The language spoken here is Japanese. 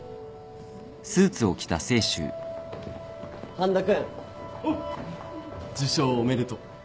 半田君受賞おめでとう。